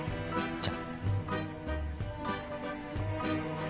じゃあ。